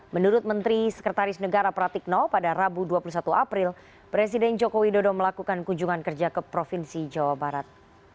menurut menteri sekretaris negara pratikno pada rabu dua puluh satu april presiden joko widodo melakukan kunjungan kerja ke provinsi jawa barat